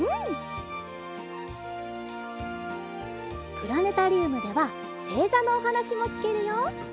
プラネタリウムではせいざのおはなしもきけるよ。